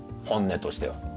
本音としては。